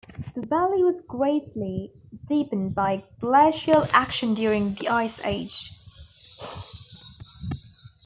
The valley was greatly deepened by glacial action during the Ice age.